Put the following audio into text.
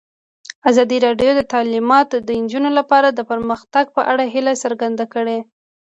ازادي راډیو د تعلیمات د نجونو لپاره د پرمختګ په اړه هیله څرګنده کړې.